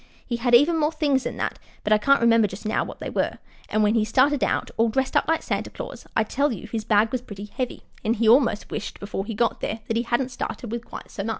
He had even more things than that, but I can't remember just now what they were; and when he started out, all dressed up like Santa Claus, I tell you his bag was pretty heavy, and he almost wished before he got there that he hadn't started with quite so much.